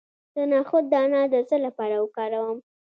د نخود دانه د څه لپاره وکاروم؟